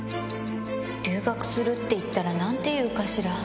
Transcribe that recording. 留学するって言ったら、なんて言うかしら。